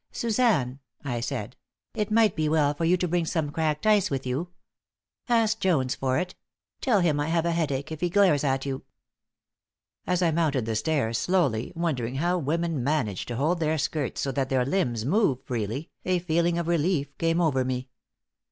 "Suzanne," I said, "it might be well for you to bring some cracked ice with you. Ask Jones for it. Tell him I have a headache, if he glares at you." As I mounted the stairs slowly, wondering how women manage to hold their skirts so that their limbs move freely, a feeling of relief came over me.